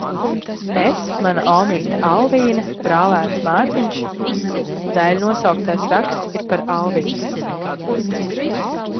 Es, mana omīte Alvīne, brālēns Mārtiņš. Daiļnosauktais raksts ir par Alvīni.